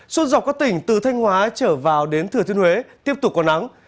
suốt dọc các tỉnh từ thanh hóa trở vào đến thừa thiên huế tiếp tục có nắng